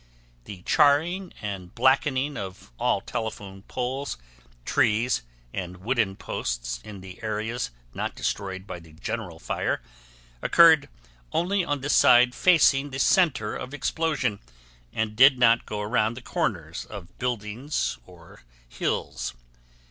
The charring and blackening of all telephone poles, trees and wooden posts in the areas not destroyed by the general fire occurred only on the side facing the center of explosion and did not go around the corners of buildings or hills.